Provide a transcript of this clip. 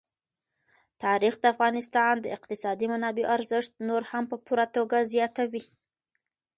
تاریخ د افغانستان د اقتصادي منابعو ارزښت نور هم په پوره توګه زیاتوي.